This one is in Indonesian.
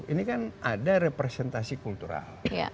ini kan ada representasi kultural